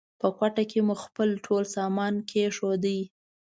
په کوټه کې مو خپل ټول سامان کېښود.